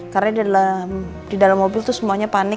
karena di dalam mobil itu semuanya panik